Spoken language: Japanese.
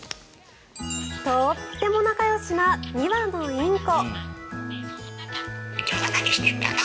とってもなかよしな２羽のインコ。